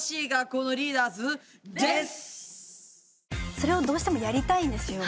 それをどうしてもやりたいんですよ。